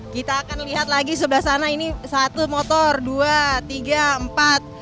kita akan lihat lagi sebelah sana ini satu motor dua tiga empat